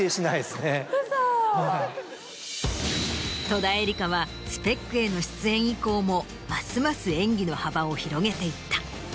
戸田恵梨香は『ＳＰＥＣ』への出演以降もますます演技の幅を広げていった。